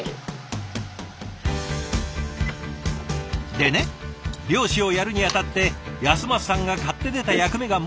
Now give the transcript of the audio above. でね漁師をやるにあたって尉晶さんが買って出た役目がもう一つ。